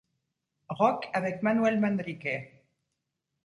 Rock avec Manuel Manrique.